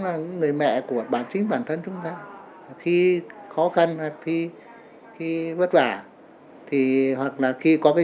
là người mẹ của bản chính bản thân chúng ta khi khó khăn là khi khi vất vả thì hoặc là khi có cái